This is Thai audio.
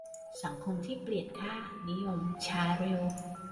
สังคมที่เปลี่ยนค่านิยมช้าเร็ว